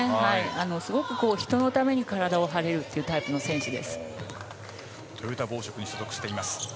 すごく人のために体を張れるっていうタイプの選手です。